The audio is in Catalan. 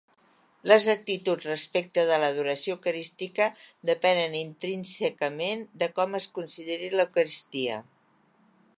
Les actituds respecte de l'adoració eucarística depenen intrínsecament de com es consideri l'Eucaristia.